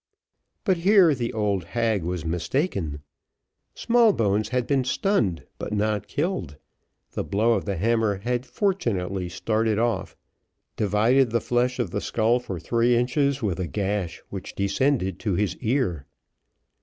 But there the old hag was mistaken; Smallbones had been stunned, but not killed; the blow of the hammer had fortunately started off, divided the flesh of the skull for three inches, with a gash which descended to his ear.